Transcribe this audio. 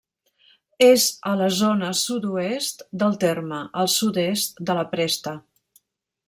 És a la zona sud-oest del terme, al sud-est de la Presta.